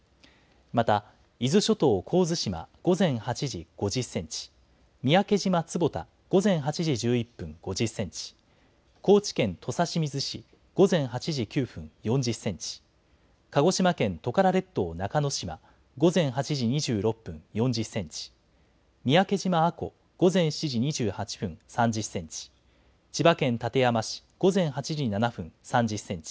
また伊豆諸島、神津島午前８時、５０センチ、三宅島坪田、午前８時１１分５０センチ、高知県土佐清水市、午前８時９分、４０センチ、鹿児島県トカラ列島、中之島午前８時２６分、４０センチ、三宅島阿古、午前７時２８分３０センチ、千葉県館山市、午前８時７分、３０センチ、